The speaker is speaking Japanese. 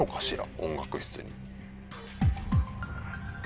音楽室に。